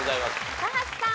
高橋さん。